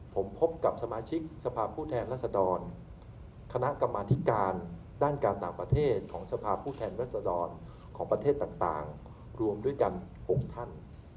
ผมพบกับสมาชิกสภาพผู้แทนรัศดรคณะกรรมาธิการด้านการต่างประเทศของสภาพผู้แทนรัศดรของประเทศต่างรวมด้วยกัน๖ท่าน